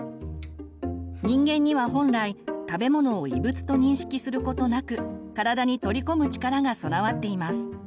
人間には本来食べ物を異物と認識することなく体に取り込む力が備わっています。